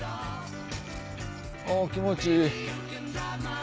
おぉ気持ちいい。